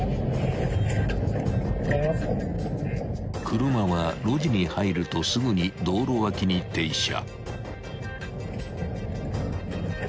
［車は路地に入るとすぐに道路脇に停車］